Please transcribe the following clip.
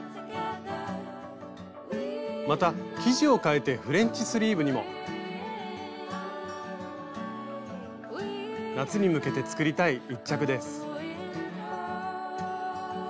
また生地をかえてフレンチスリーブにも。夏に向けて作りたい１着です。